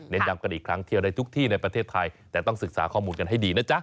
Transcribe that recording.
ย้ำกันอีกครั้งเที่ยวได้ทุกที่ในประเทศไทยแต่ต้องศึกษาข้อมูลกันให้ดีนะจ๊ะ